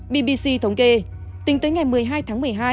bbc thống kê tính tới ngày một mươi hai tháng một mươi hai